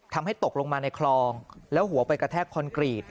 ตกลงมาในคลองแล้วหัวไปกระแทกคอนกรีต